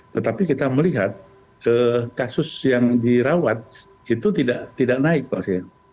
tetapi kita melihat kasus yang dirawat itu tidak naik pasien